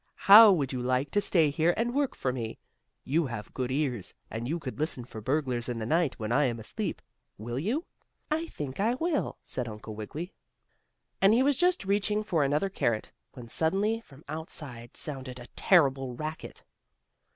How would you like to stay here and work for me? You have good ears, and you could listen for burglars in the night when I am asleep. Will you?" "I think I will," said Uncle Wiggily. And he was just reaching for another carrot, when suddenly from outside sounded a terrible racket.